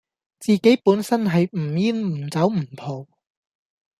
自己本身係唔煙唔酒唔浦